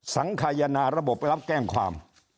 สังขยนาระบบไปรับแจ้งความ